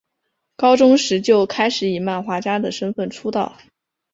高中时就开始以漫画家的身份出道。